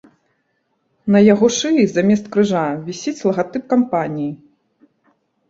На яго шыі замест крыжа вісіць лагатып кампаніі.